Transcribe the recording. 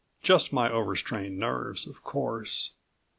Just my over strained nerves, of course.